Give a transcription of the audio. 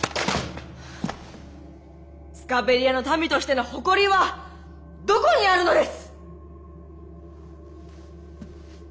スカベリアの民としての誇りはどこにあるのです！